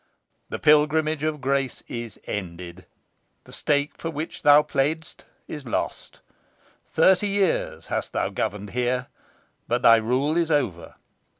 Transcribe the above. The Pilgrimage of Grace is ended. The stake for which thou playedst is lost. Thirty years hast thou governed here, but thy rule is over.